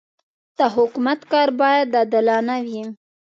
د حکومت کار باید عادلانه وي.